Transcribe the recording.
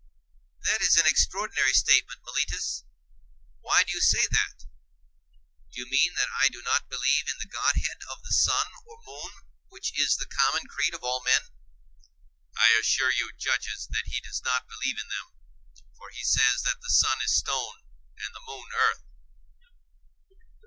That is an extraordinary statement, Meletus. Why do you say that? Do you mean that I do not believe in the god head of the sun or moon, which is the common creed of all men?I assure you, judges, that he does not believe in them; for he says that the sun is stone, and the moon earth.